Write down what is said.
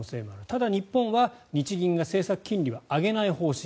ただ、日本は日銀が政策金利は上げない方針。